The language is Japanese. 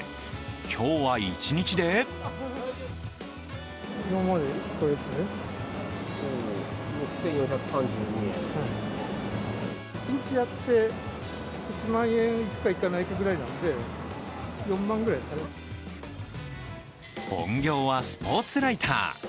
今日は一日で本業はスポーツライター。